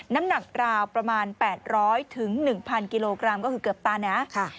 น้ำหนักราวประมาณแปดร้อยถึงหนึ่งพันกิโลกรัมก็คือเกือบตำนะค่ะ